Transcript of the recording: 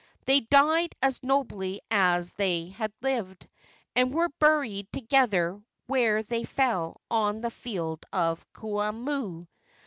They died as nobly as they had lived, and were buried together where they fell on the field of Kuamoo.